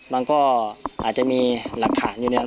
มันก็อาจจะมีหลักฐานอยู่เนี่ย